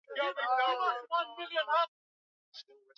wabunge nchini yemen wamepiga kura kuidhinisha